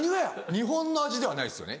日本の味ではないですよね。